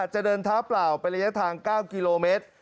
จะเดินเท้าเปล่าเป็นระยะทาง๙กิโลเมตร